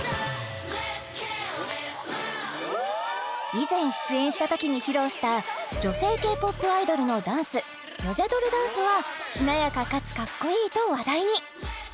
以前出演したときに披露した女性Ｋ−ＰＯＰアイドルのダンスヨジャドルダンスはしなやかかつかっこいいと話題に！